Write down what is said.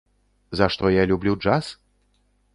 За што я люблю джаз?